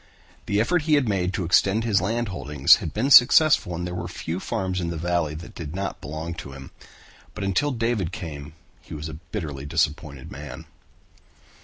The effort he had made to extend his land holdings had been successful and there were few farms in the valley that did not belong to him, but until David came he was a bitterly disappointed man.